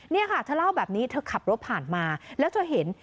นี่ค่ะเธอเล่าแบบนี้เธอขับรถผ่านมาแล้วเธอเห็น